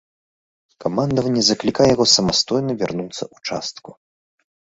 Камандаванне заклікае яго самастойна вярнуцца ў частку.